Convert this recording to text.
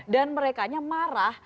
dan mereka marah